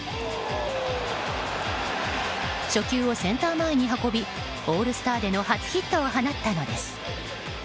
初球をセンター前に運びオールスターでの初ヒットを放ったのです。